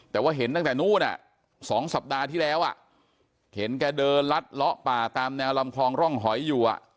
แต่ว่าเห็นตั้งแต่นู้น๒สัปดาห์ที่แล้วเห็นแกเดินลัดเลาะป่าตามแนวลำคลองร่องหอยอยู่